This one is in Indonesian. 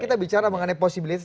kita bicara mengenai posibilitas